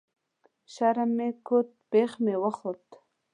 شرم مې کوت ، بيخ مې خوت